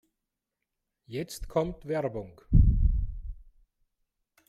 Jetzt kommt Werbung.